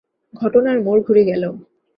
ঘটনার মোড় ঘুরে গেল!